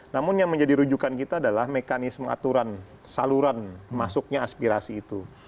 namun yang menjadi rujukan kita adalah mekanisme aturan saluran masuknya aspirasi itu